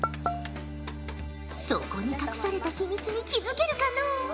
そこに隠された秘密に気付けるかのう。